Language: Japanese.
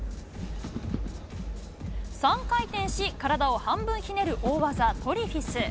３回転し、体を半分ひねる大技トリフィス。